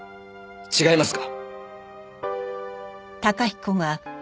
違いますか？